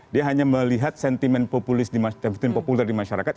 dia hanya melihat sentimen populis yang populer di masyarakat